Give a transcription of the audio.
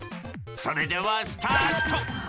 それではスタート！